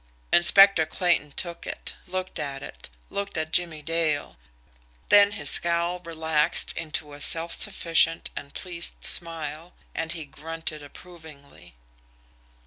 Inspector Clayton took it, looked at it, looked at Jimmie Dale; then his scowl relaxed into a self sufficient and pleased smile, and he grunted approvingly.